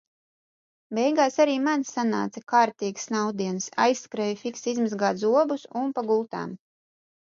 Beigās arī man uznāca kārtīgs snaudiens, aizskrēju fiksi izmazgāt zobus un pa gultām.